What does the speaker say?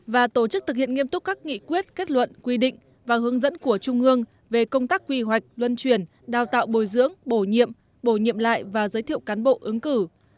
và tổ chức thực hiện nghiêm túc các nghị quyết kết luận quy định và hướng dẫn của trung ương về công tác quy hoạch luân truyền đào tạo bồi dưỡng bổ nhiệm bổ nhiệm lại và giới thiệu cán bộ ứng cử